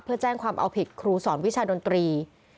เพื่อแจ้งความเอาผิดครูสอนวิชาดนตรี